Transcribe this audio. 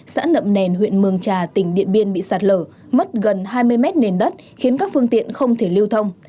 xã nậm đèn huyện mường trà tỉnh điện biên bị sạt lở mất gần hai mươi mét nền đất khiến các phương tiện không thể lưu thông